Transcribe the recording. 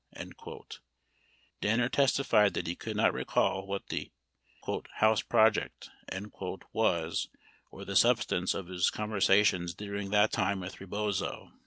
71 Danner testified that he could not recall what the "house project" was or the substance of his conversations during that time with Rebozo.